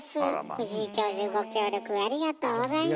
藤井教授ご協力ありがとうございました。